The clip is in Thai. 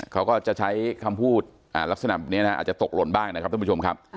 เขาก็จะใช้คำพูดลักษณะแบบนี้อาจจะตกหล่นบ้างนะครับท่านผู้ชมครับ